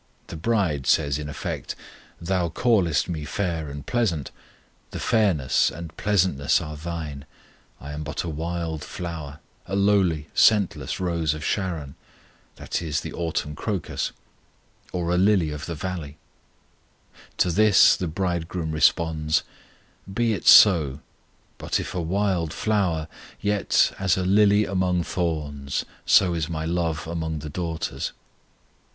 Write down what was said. The bride says in effect, Thou callest me fair and pleasant, the fairness and pleasantness are Thine; I am but a wild flower, a lowly, scentless rose of Sharon (i.e. the autumn crocus), or a lily of the valley. To this the Bridegroom responds: "Be it so; but if a wild flower, yet As a lily among thorns, So is My love among the daughters.